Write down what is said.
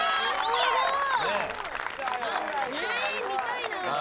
すごい！